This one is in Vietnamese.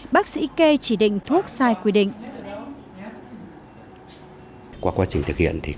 bác sĩ kê chỉ định thuốc sai quy định